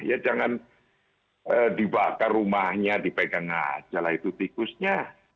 ya jangan dibakar rumahnya dipegang aja lah itu tikusnya